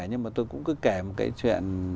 nhưng mà tôi cũng cứ kể một cái chuyện